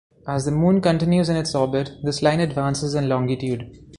As the Moon continues in its orbit, this line advances in longitude.